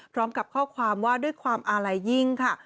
พร้อมกับข้อความว่าด้วยความอาลัยยิ่งค่ะ